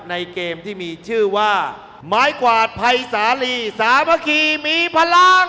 ในเกมที่มีชื่อว่าไม้กวาดภัยสาลีสามัคคีมีพลัง